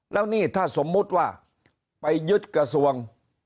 แล้วนี่ถ้าสมมุติว่าไปยึดกระทรวง